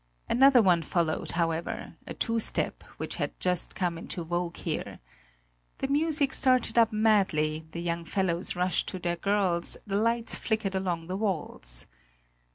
Another one followed, however, a two step which had just come into vogue here. The music started up madly, the young fellows rushed to their girls, the lights flickered along the walls.